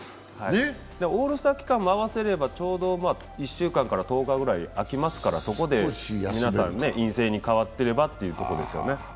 オールスター期間も合わせればちょうど１週間から１０日ぐらい開きますからそこで皆さん陰性に変わってればというところですよね。